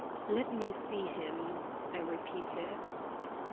"Let me see him," I repeated.